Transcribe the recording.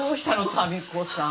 民子さん